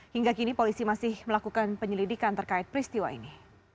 hingga kini polisi masih melakukan penyelidikan terkait peristiwa ini